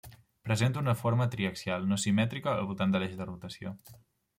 Presenta una forma triaxial, no simètrica al voltant de l'eix de rotació.